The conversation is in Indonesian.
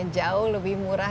jauh lebih murah